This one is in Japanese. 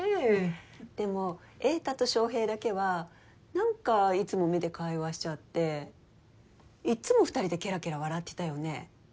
でも栄太と翔平だけは何かいつも目で会話しちゃっていっつも２人でケラケラ笑ってたよね。